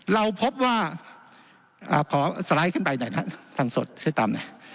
เราพบว่าขอสไลด์เข้าไปหน่อยนะทางสดมา